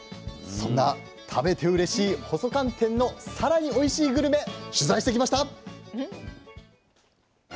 そんな食べてうれしい細寒天のさらにおいしいグルメ取材してきました。